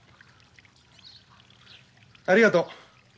ありがとう。